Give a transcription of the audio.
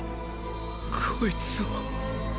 こいつを。